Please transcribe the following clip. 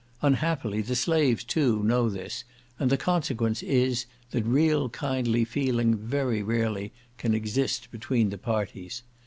Unhappily the slaves, too, know this, and the consequence is, that real kindly feeling very rarely can exist between the parties.